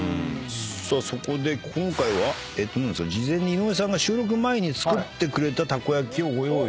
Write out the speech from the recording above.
さあそこで今回は事前に井上さんが収録前に作ってくれたたこ焼きをご用意。